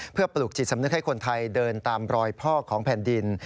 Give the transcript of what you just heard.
เพื่อปลูกจิตสำนึกให้คนไทยเดินตามรอยพ่อของแผ่นดิน